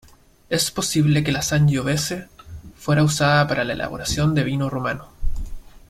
Es posible que la sangiovese fuera usada para la elaboración del vino romano.